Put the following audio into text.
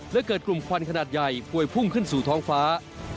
และเกิดกลุ่มควันขนาดใหญ่ป่วยพุ่งขึ้นสู่ท้องฟ้า